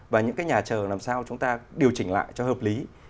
và những cái nhà chờ làm sao chúng ta điều chỉnh lại cho hợp lý